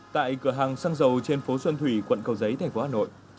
tại cửa hàng xăng dầu trên phố xuân thủy quận cầu giấy tp hà nội